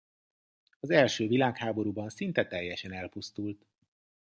Az első világháborúban szinte teljesen elpusztult.